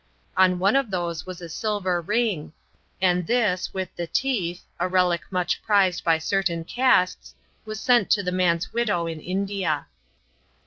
On one of these was a silver ring, and this, with the teeth (a relic much prized by certain castes), was sent to the man's widow in India.